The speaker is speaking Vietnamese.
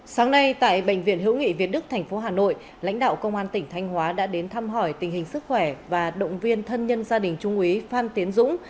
sáng nay tại bệnh viện hữu nghị việt đức thành phố hà nội lãnh đạo công an tỉnh thanh hóa đã đến thăm hỏi tình hình sức khỏe và động viên thân nhân gia đình trung úy phan tiến dũng